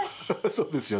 そうですよね。